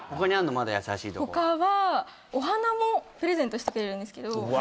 まだ優しいとこ他はお花もプレゼントしてくれるんですけどうわ